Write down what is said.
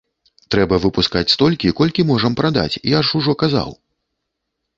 Трэба выпускаць столькі, колькі можам прадаць, я ж ужо казаў.